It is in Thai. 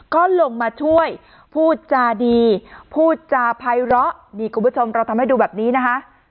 ก็ลงมาช่วยพูดจาดีพูดจาภัยร้อนี่คุณผู้ชมเราทำให้ดูแบบนี้นะคะ